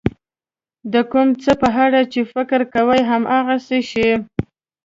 د کوم څه په اړه چې فکر کوئ هماغه شی.